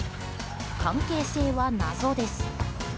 関係性は謎です。